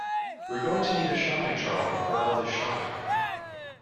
We're going to need a shopping trolley for all this shopping